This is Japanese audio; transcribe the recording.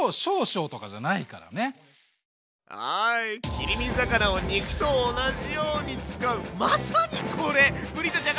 切り身魚を肉と同じように使うまさにこれ！